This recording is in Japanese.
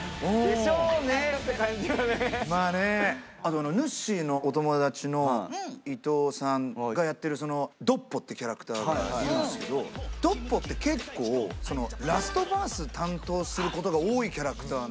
あのぬっしーのお友達の伊東さんがやってるその独歩ってキャラクターがいるんですけど独歩って結構ラストバース担当することが多いキャラクターなんですよ。